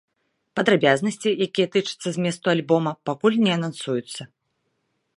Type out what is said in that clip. Падрабязнасці, якія тычацца зместу альбома, пакуль не анансуюцца.